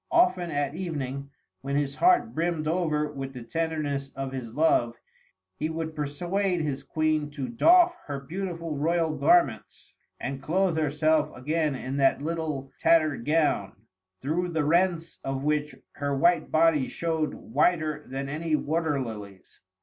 Often at evening, when his heart brimmed over with the tenderness of his love, he would persuade his Queen to doff her beautiful royal garments and clothe herself again in that little tattered gown, through the rents of which her white body showed whiter than any water lilies.